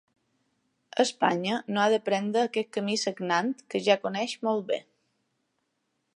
Espanya no ha de prendre aquest camí sagnant que ja coneix molt bé.